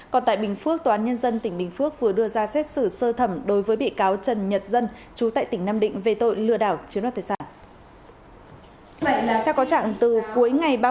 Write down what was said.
còn tại bình phước tòa án nhân dân tỉnh bình phước vừa đưa ra xét xử sơ thẩm đối với bị cáo trần nhật dân chú tại tỉnh nam định về tội lừa đảo chiếm đoạt tài sản